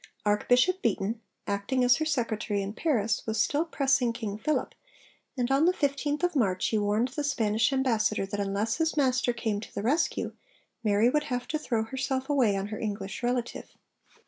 Archbishop Beaton, acting as her secretary in Paris, was still pressing King Philip, and on the 15th of March he warned the Spanish ambassador that unless his master came to the rescue Mary would have to throw herself away on her English relative.